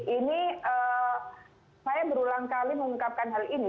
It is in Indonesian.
ini saya berulang kali mengungkapkan hal ini